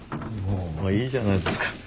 もういいじゃないですか。